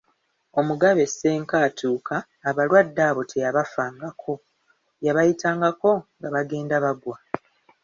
Omugabe Ssenkaatuuka, abalwadde abo teyabafaangako, yabayitangako nga bagenda bagwa.